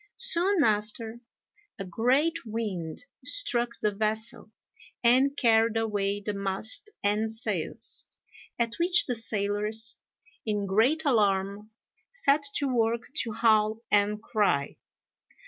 Soon after, a great wind struck the vessel, and carried away the mast and sails; at which the sailors, in great alarm, set to work to howl and cry.